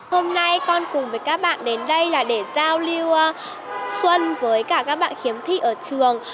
hôm nay con cùng với các bạn đến đây là để giao lưu xuân với cả các bạn khiếm thị ở trường